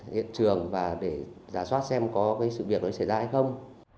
hiện trường và để giả soát xem có cái sự việc đó xảy ra hay không